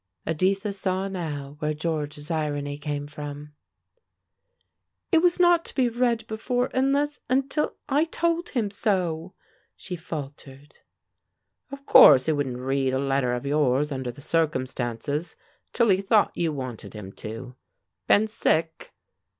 Editha saw now where George's irony came from. "It was not to be read before unless until I told him so," she faltered. "Of course, he wouldn't read a letter of yours, under the circumstances, till he thought you wanted him to. Been sick?"